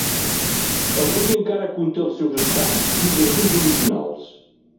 Avui encara conté els seus estanys i jardins originals.